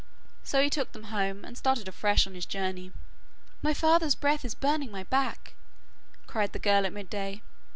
So he took them home, and started afresh on his journey. 'My father's breath is burning my back,' cried the girl at midday.